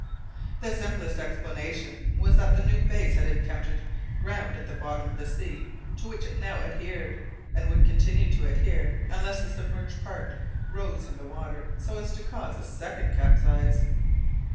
The simplest explanation was that the new base had encountered ground at the bottom of the sea to which it now adhered, and would continue to adhere, unless the submerged part rose in the water so as to cause a second capsize.